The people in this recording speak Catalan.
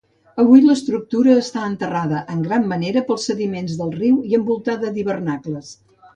Avui, l'estructura està enterrada en gran manera pels sediments del riu i envoltada d'hivernacles.